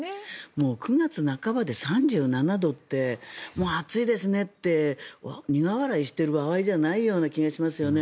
もう９月半ばで３７度って暑いですねって苦笑いしている場合じゃないような気がしますよね。